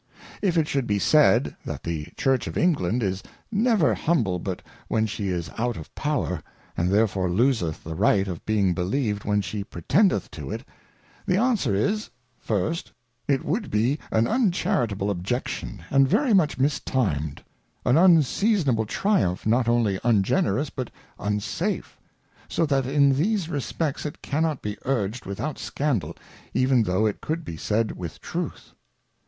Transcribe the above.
If it should be said, that the Church of England is never humble but when she is out of power, and therefore loseth the Right of being believed when she pretendeth to it : The Answer is, First, it would be an uncharitable Objection, and very much mistimed ; an unseasonable Triumph, not only ungenerous, but unsafe : So that in these respects it cannot be urged, without Scandal, even though it could be said with Truth.